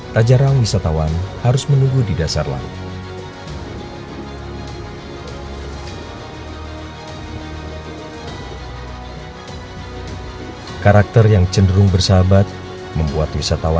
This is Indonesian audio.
tak jarang wisatawan harus menunggu di dasar laut